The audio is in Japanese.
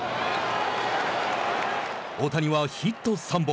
大谷はヒット３本。